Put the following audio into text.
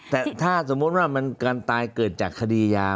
แต่ถ้าสมมุติว่ามันการตายเกิดจากคดียา